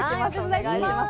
お願いします。